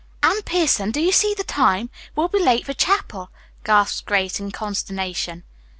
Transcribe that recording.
Anne Pierson, do you see the time? We'll be late for chapel!" gasped Grace in consternation.